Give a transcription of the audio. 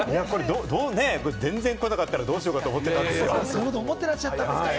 全然来なかったらどうしようかと思っていたんですよ。